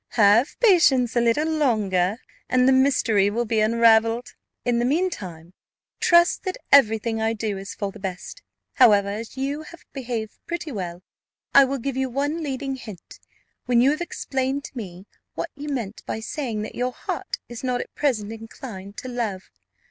"Have patience a little longer, and the mystery will be unravelled. In the mean time, trust that every thing I do is for the best. However, as you have behaved pretty well, I will give you one leading hint, when you have explained to me what you meant by saying that your heart is not at present inclined to love.